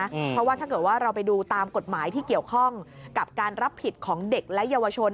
เพราะว่าถ้าเกิดว่าเราไปดูตามกฎหมายที่เกี่ยวข้องกับการรับผิดของเด็กและเยาวชน